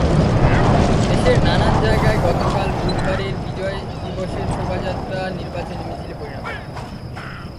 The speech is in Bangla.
দেশের নানা জায়গায় গতকাল বুধবারের বিজয় দিবসের শোভাযাত্রা নির্বাচনী মিছিলে পরিণত হয়।